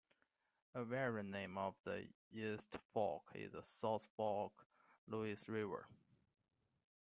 A variant name of the East Fork is the South Fork Lewis River.